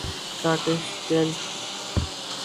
Scottish Gaelic